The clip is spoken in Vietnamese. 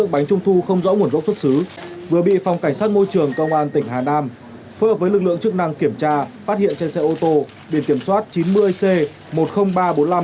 phòng cảnh sát môi trường công an tỉnh hà nam đã phối hợp với lực lượng chức năng tăng cường kiểm tra và xử lý nghiêm các trường hợp vi phạm